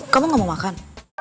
kamu gak mau makan